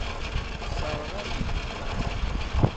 Tesseṛɣeḍ-iyi-t.